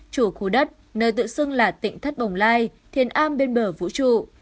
chủ khu đất nơi tự xưng là tỉnh thất bồng lai thiên am bên bờ vũ trụ